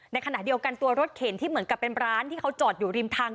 ในขณะเดียวกันตัวรถเข็นที่เหมือนกับเป็นร้านที่เขาจอดอยู่ริมทาง